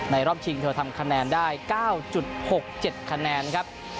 รอบชิงเธอทำคะแนนได้๙๖๗คะแนนครับ